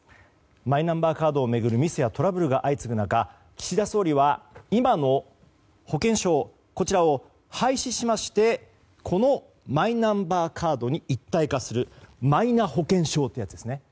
マイナンバーカードを巡るミスやトラブルが相次ぐ中岸田総理は今の保険証を廃止しましてこのマイナンバーカードに一体化するマイナ保険証というやつですね。